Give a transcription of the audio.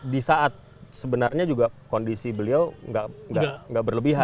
di saat sebenarnya juga kondisi beliau nggak berlebihan